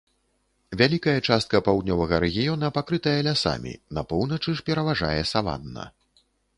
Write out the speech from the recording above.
Вялікая частка паўднёвага рэгіёна пакрытая лясамі, на поўначы ж пераважае саванна.